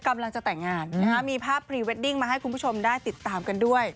กำลังจะแต่งงานมีภาพพรีเวดดิ้งมาให้คุณผู้ชมได้ติดตามกันด้วย